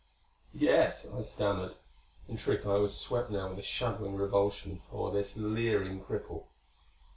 "Yes," I stammered. In truth I was swept now with a shuddering revulsion for this leering cripple.